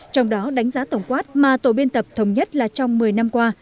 trong đó đánh giá tổng quát mà tổ biên tập thống nhất là trong một mươi năm qua